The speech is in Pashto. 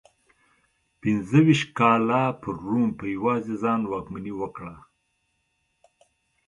پنځه څلوېښت کاله پر روم په یوازې ځان واکمني وکړه